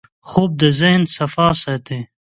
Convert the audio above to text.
خوب د ذهن صفا ساتي